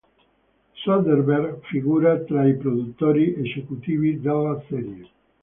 Soderbergh figura tra i produttori esecutivi della serie.